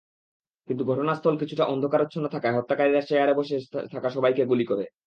কিন্তু ঘটনাস্থল কিছুটা অন্ধকারাচ্ছন্ন থাকায় হত্যাকারীরা চেয়ারে বসে থাকা সবাইকে গুলি করে।